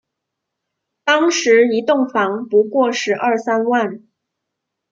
当时一栋房不过十二三万